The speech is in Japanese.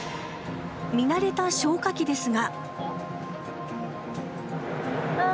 見慣れた消火器ですが。